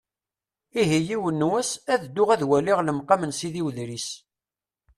Ihi yiwen wass, ad dduɣ ad waliɣ lemqam n Sidi Udris.